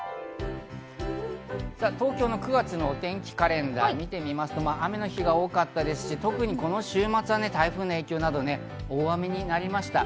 東京の９月のお天気カレンダーを見てみますと、雨の日が多かったですし、特にこの週末は台風の影響など、大雨になりました。